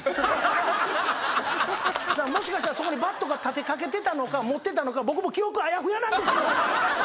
もしかしたらそこにバットが立て掛けてたのか持ってたのか僕も記憶あやふやなんですよ！